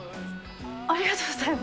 ありがとうございます。